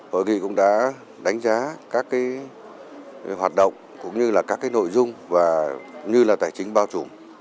hội nghị cũng đã đánh giá các hoạt động cũng như là các nội dung như là tài chính bao trùm